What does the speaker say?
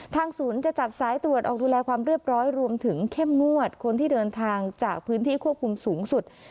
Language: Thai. ศูนย์จะจัดสายตรวจออกดูแลความเรียบร้อยรวมถึงเข้มงวดคนที่เดินทางจากพื้นที่ควบคุมสูงสุด